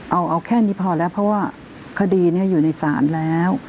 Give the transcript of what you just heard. เอาแค่นี้พอแล้วเพราะว่าคดีนี้อยู่ในศาลแล้ว